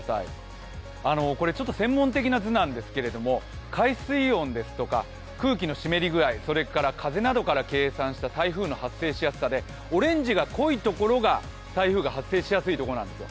専門的な図なんですけれども海水温ですとか空気の湿り具合、風などから計算した台風の発生しやすさで、オレンジが濃いところが台風が発生しやすい所なんです。